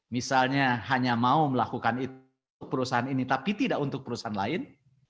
misalnya hanya mau melakukan itu untuk perusahaan ini tapi tidak untuk perusahaan lain